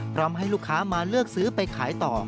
พร้อมให้ลูกค้ามาเลือกซื้อไปขายต่อ